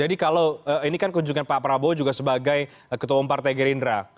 kalau ini kan kunjungan pak prabowo juga sebagai ketua umum partai gerindra